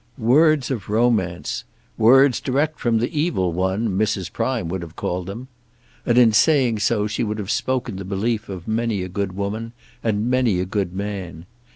Words of romance! Words direct from the Evil One, Mrs. Prime would have called them! And in saying so she would have spoken the belief of many a good woman and many a good man.